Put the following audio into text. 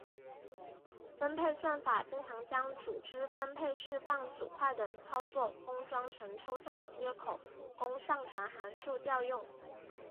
分配算法经常将组织分配释放组块等操作封装成抽象的接口供上层函数调用。